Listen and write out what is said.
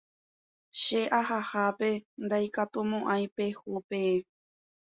Che ahahápe ndaikatumo'ãi peho peẽ